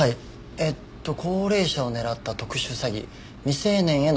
えっと高齢者を狙った特殊詐欺未成年への恐喝被害売春斡旋。